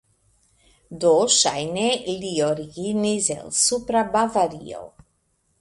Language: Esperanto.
Do ŝajne li originis el Supra Bavario.